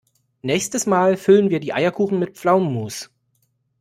Nächstes Mal füllen wir die Eierkuchen mit Pflaumenmus.